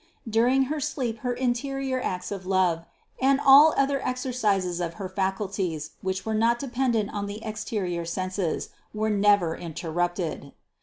During her sleep her interior acts of love, and all other exercises of her faculties which were not dependent on the exterior senses, were never in terrupted.